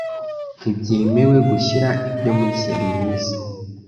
ntibyemewe gushyira ibyo muri serivise